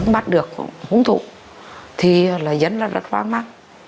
bắt được húng thụ thì là dân là rất hoang mang